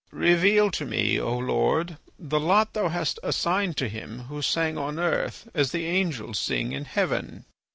"'Reveal to me, O Lord, the lot thou hast assigned to him who sang on earth as the angels sing in heaven!